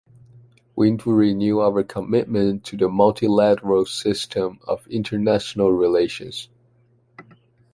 We need to renew our commitment to the multilateral system of international relations.